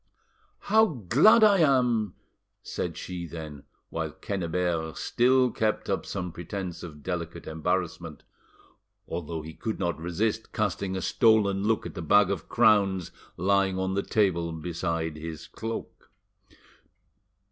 "How glad I am!" said she then, while Quennebert still kept up some pretence of delicate embarrassment, although he could not resist casting a stolen look at the bag of crowns lying on the table beside his cloak.